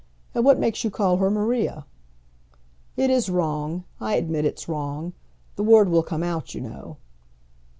And what makes you call her Maria?" "It is wrong. I admit it's wrong. The word will come out, you know."